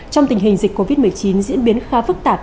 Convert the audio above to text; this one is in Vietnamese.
trong tình hình dịch covid một mươi chín diễn biến khá phức tạp